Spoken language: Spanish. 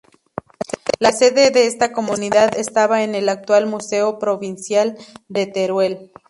La sede de esta Comunidad estaba en el actual Museo Provincial de Teruel.